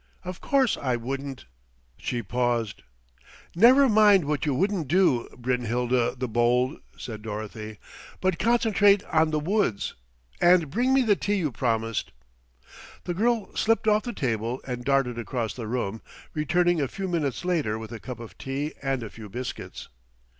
Of course I wouldn't " She paused. "Never mind what you wouldn't do, Brynhilda the Bold," said Dorothy, "but concentrate on the woulds, and bring me the tea you promised." The girl slipped off the table and darted across the room, returning a few minutes later with a cup of tea and a few biscuits.